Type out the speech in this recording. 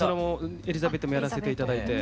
「エリザベート」もやらせて頂いて。